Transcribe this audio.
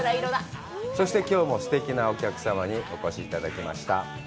そしてきょうもすてきなお客様にお越しいただきました。